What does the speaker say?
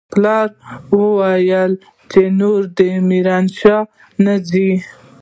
پلار يې ورته ويلي و چې نور دې ميرانشاه نه ځي.